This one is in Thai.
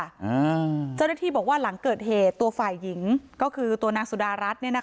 เจ้าหน้าที่บอกว่าหลังเกิดเหตุตัวฝ่ายหญิงก็คือตัวนางสุดารัฐเนี่ยนะคะ